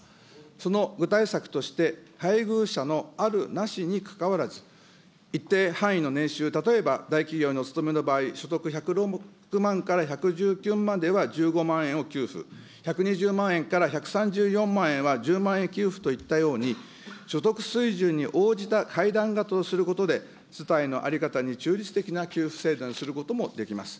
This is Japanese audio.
その具体策として、配偶者のあるなしにかかわらず、一定範囲の年収、例えば大企業にお勤めの場合、所得１０６万から１１９万では１５万円を給付、１２０万円から１３４万円は１０万円給付といったように、所得水準に応じた階段型とすることで、世帯の在り方に中立的な給付制度にすることもできます。